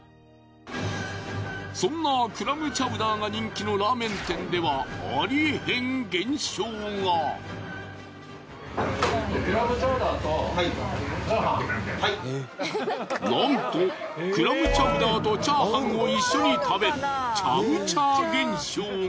そんなクラムチャウダーが人気のラーメン店ではなんとクラムチャウダーとチャーハンを一緒に食べるチャウチャー現象が。